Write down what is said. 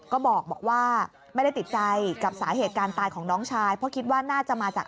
ก็บอกว่าไม่ได้ติดใจกับสาเหตุการณ์ตายของน้องชายเพราะคิดว่าน่าจะมาจาก